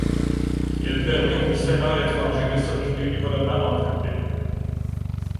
Il permit aux missionnaires étrangers de circuler librement dans tout le pays.